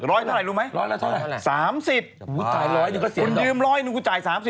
ร้อยเท่าไหร่รู้ไหม